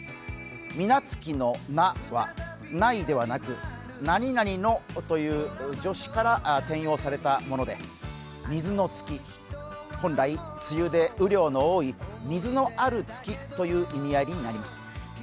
水無月の無しは、ないではなく「何々の」という助詞から転用されたもので、水の月、本来梅雨で雨量の多い水のある月という意味合いになります。